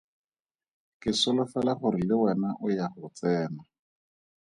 Ke solofela gore le wena o ya go tsena.